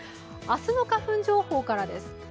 明日の花粉情報からです。